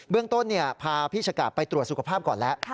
เรื่องต้นพาพี่ชะกาดไปตรวจสุขภาพก่อนแล้ว